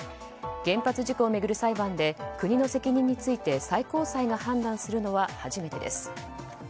原発事故を巡る裁判で国の責任について最高裁が判断するのは初めてです。